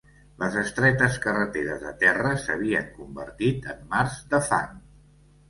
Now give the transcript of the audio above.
Les estretes carreteres de terra s'havien convertit en mars de fang